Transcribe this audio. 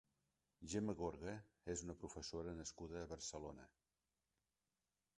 Gemma Gorga és una professora nascuda a Barcelona.